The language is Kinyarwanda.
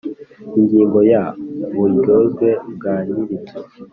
Ingingo ya Uburyozwe bwa nyirinzu